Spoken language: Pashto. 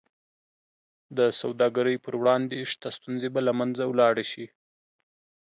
د سوداګرۍ پر وړاندې شته ستونزې به له منځه ولاړې شي.